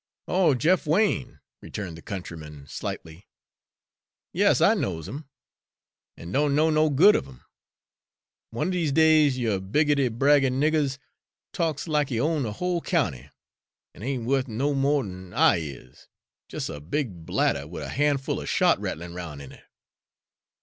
"Oh, Jeff Wain!" returned the countryman slightingly; "yas, I knows 'im, an' don' know no good of 'im. One er dese yer biggity, braggin' niggers talks lack he own de whole county, an' ain't wuth no mo' d'n I is jes' a big bladder wid a handful er shot rattlin' roun' in it.